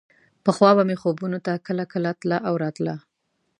پخوا به مې خوبونو ته کله کله تله او راتله.